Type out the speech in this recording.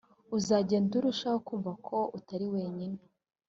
uzagenda urushaho kumva ko utari wenyine